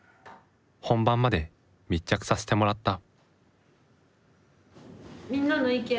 本番まで密着させてもらった。